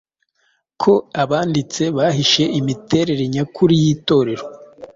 ko abanditse bahishe imiterere nyakuri y’Itorero